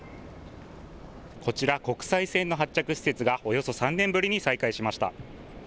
こちら国際線の発着施設がおよそ３年ぶりに再開しました。